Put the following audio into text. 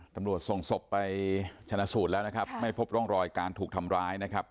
ตำรวจส่งศพไปชนะสูตรแล้วนะครับไม่พบร่องรอยการถูกทำร้ายนะครับ